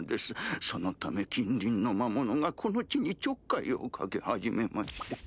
そのため近隣の魔物がこの地にちょっかいをかけ始めまして。